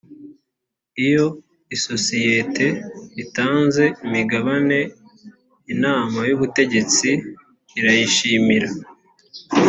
iyo isosiyete itanze imigabane inama y’ubutegetsi irayishimira